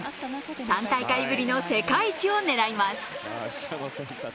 ３大会ぶりの世界一を狙います。